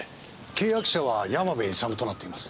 契約者は山部勇となっています。